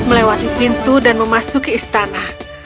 melewati pintu dan memasuki istana